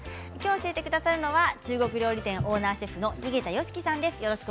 教えてくださるのは中国料理店オーナーシェフの井桁良樹さんです。